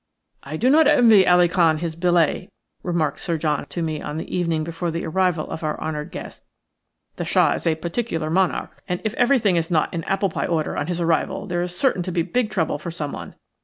"I do not envy Ali Khan his billet," remarked Sir John to me on the evening before the arrival of our honoured guest. "The Shah is a particular monarch, and if everything is not in apple pie order on his arrival there is certain to be big trouble for someone.